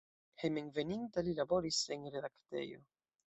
Hejmenveninta li laboris en redaktejo.